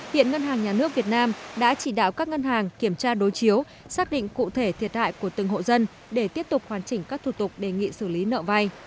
hiện ngân hàng nhà nước việt nam đã chỉ đạo các ngân hàng kiểm tra đối chiếu xác định cụ thể thiệt hại của từng hộ dân để tiếp tục hoàn chỉnh các thủ tục đề nghị xử lý nợ vay